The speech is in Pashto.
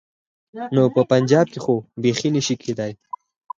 نو په پنجاب کې خو بيخي نه شي کېدای.